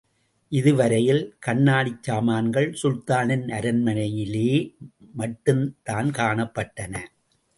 இதுவரையிலே, கண்ணாடிச் சாமான்கள் சுல்தானின் அரண்மனையிலே மட்டும்தான் காணப்பட்டன.